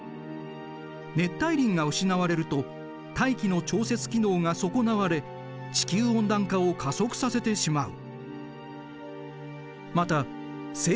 熱帯林が失われると大気の調節機能が損なわれ地球温暖化を加速させてしまう。